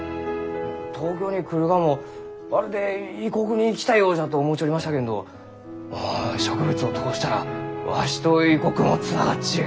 東京に来るがもまるで異国に来たようじゃと思うちょりましたけんど植物を通したらわしと異国もつながっちゅう。